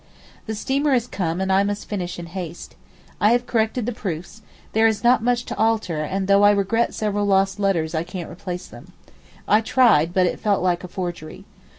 The steamer is come and I must finish in haste. I have corrected the proofs. There is not much to alter, and though I regret several lost letters I can't replace them. I tried, but it felt like a forgery.